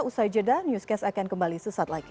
usai jeda newscast akan kembali sesaat lagi